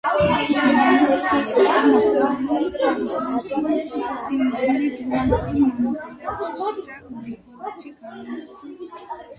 მათი გავლენის ქვეშ იყო მოქცეული: სამხრეთი ციმბირი, დღევანდელი მონღოლეთი, შიდა მონღოლეთი, განსუ, სინძიანი.